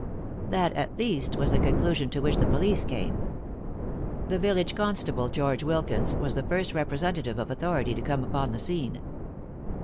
That, at least, was the conclusion to which the police came. The village constable, George Wilkins, was the first representative of authority to come upon the scene.